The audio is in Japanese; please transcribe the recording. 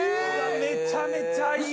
めちゃめちゃいい！